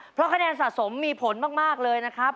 เพราะคะแนนสะสมมีผลมากเลยนะครับ